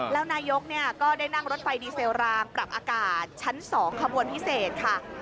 แล้วนายกก็ได้นั่งรถไฟดีเซลรางปรับอากาศชั้น๒ขบวนพิเศษค่ะ